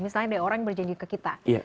misalnya ada orang yang berjanji ke kita